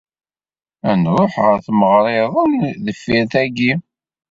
Ad nruḥ ɣer tmeɣra-iḍen deffir tayi.